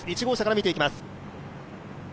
１号車から見ていきます。